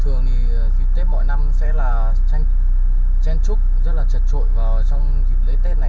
thường thì dịp tết mỗi năm sẽ là tranh trúc rất là trật trội vào trong dịp lễ tết này